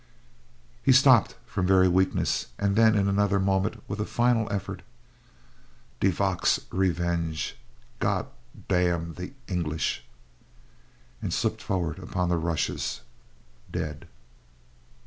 He stopped from very weakness, and then in another moment, with a final effort: "De—Vac's—revenge. God—damn—the—English," and slipped forward upon the rushes, dead.